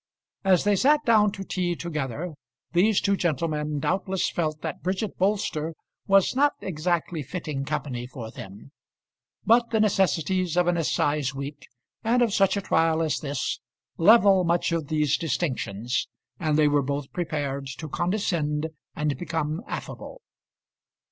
As they sat down to tea together, these two gentlemen doubtless felt that Bridget Bolster was not exactly fitting company for them. But the necessities of an assize week, and of such a trial as this, level much of these distinctions, and they were both prepared to condescend and become affable.